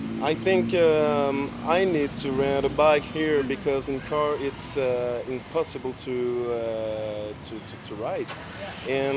saya pikir saya perlu menerbangkan mobil di sini karena di mobil itu tidak mungkin untuk menerbangkan